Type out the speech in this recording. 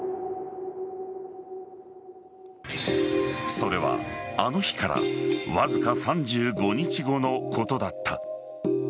それは、あの日からわずか３５日後のことだった。